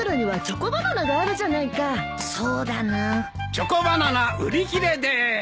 チョコバナナ売り切れでーす！